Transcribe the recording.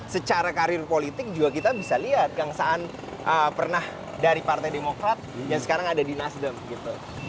secara karir politik juga kita bisa lihat kang saan pernah dari partai demokrat yang sekarang ada di nasdem gitu